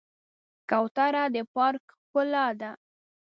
کوتره د پارک ښکلا ده.